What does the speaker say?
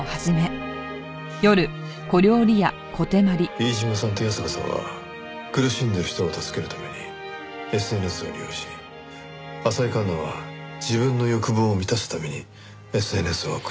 飯島さんと矢坂さんは苦しんでいる人を助けるためにＳＮＳを利用し浅井環那は自分の欲望を満たすためにＳＮＳを悪用していた。